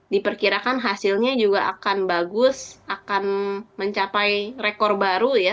diperkirakan hasilnya juga akan bagus akan mencapai rekor baru ya